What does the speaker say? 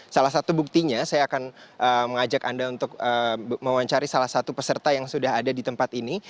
salah satu buktinya saya akan mengajak anda untuk mewawancari salah satu peserta yang sudah ada di tempat ini